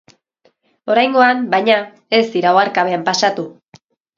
Oraingoan, baina, ez dira oharkabean pasatu.